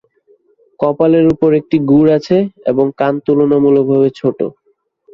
কপালের উপর একটি গুড় আছে, এবং কান তুলনামূলকভাবে ছোট।